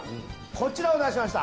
こちらを出しました。